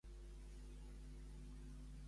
Quina relació té el Rudens de Plaute amb l'autor?